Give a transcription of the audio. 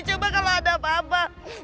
coba kalau ada papa